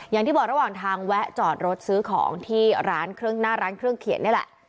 อย่างที่บอกระหว่างทางแวะจอดรถซื้อของที่ร้านเครื่องหน้าร้านเครื่องเขียนนี่แหละ